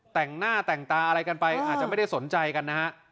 แต่งหน้าแต่งตาอะไรกันไปอาจจะไม่ได้สนใจกันนะฮะ